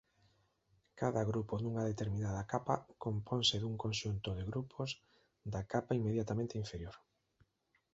Cada grupo nunha determinada capa componse dun conxunto de grupos da capa inmediatamente inferior.